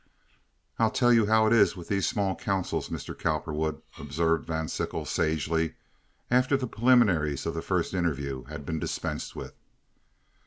"I'll tell you how it is with these small councils, Mr. Cowperwood," observed Van Sickle, sagely, after the preliminaries of the first interview had been dispensed with.